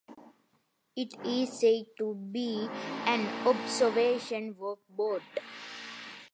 It is said to be an observation work boat.